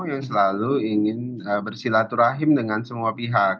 yang selalu ingin bersilaturahim dengan semua pihak